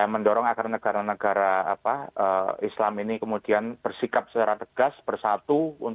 mendorong agar negara negara islam ini kemudian bersikap secara tegas bersatu